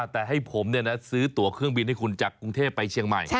แต่ให้ผมซื้อตัวเครื่องบินให้คุณจากกรุงเทพไปเชียงใหม่